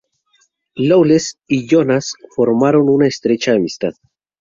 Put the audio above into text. Lawless y Jonas formaron una estrecha amistad.